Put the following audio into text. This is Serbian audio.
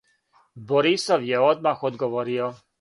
Борисов је одмах одговорио.